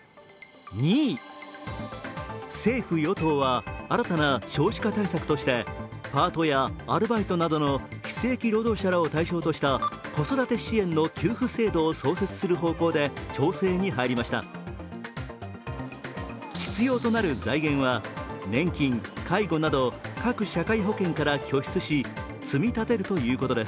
政府・与党は新たな少子化対策としてパートやアルバイトなどの非正規労働者らを対象とした子育て支援の給付制度を創設する方向で必要となる財源は年金・介護など各社会保険から拠出し積み立てるということです。